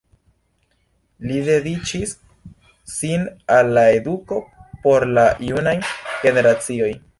Li dediĉis sin al la eduko por la junaj generacioj.